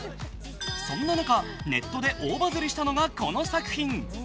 そんな中、ネットで大バズりしたのがこちらの作品。